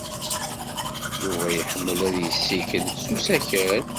Yuba iḥemmel ad yessikel s usakal.